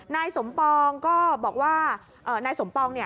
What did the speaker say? นายสมปองก็บอกว่านายสมปองเนี่ย